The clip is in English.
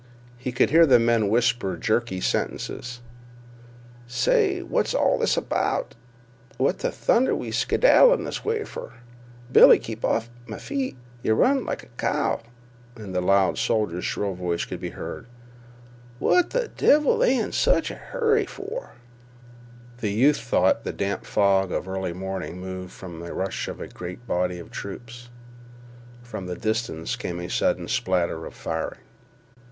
He could hear the men whisper jerky sentences: "Say—what's all this—about?" "What th' thunder—we—skedaddlin' this way fer?" "Billie—keep off m' feet. Yeh run—like a cow." And the loud soldier's shrill voice could be heard: "What th' devil they in sich a hurry for?" The youth thought the damp fog of early morning moved from the rush of a great body of troops. From the distance came a sudden spatter of firing.